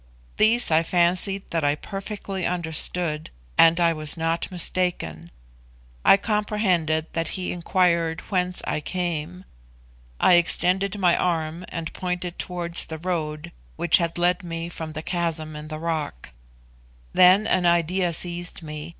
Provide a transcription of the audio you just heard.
These I fancied that I perfectly understood, and I was not mistaken. I comprehended that he inquired whence I came. I extended my arm, and pointed towards the road which had led me from the chasm in the rock; then an idea seized me.